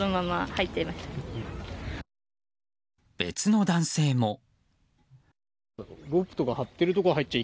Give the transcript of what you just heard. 別の男性も。